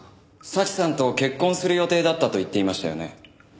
早智さんと結婚する予定だったと言っていましたよね？